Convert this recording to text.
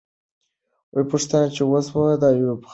پوښتنه چې وسوه، د ایوب خان وه.